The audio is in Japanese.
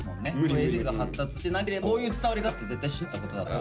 ＳＮＳが発達してなければこういう伝わり方って絶対しなかったことだから。